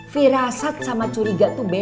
firasat sama curiga itu beda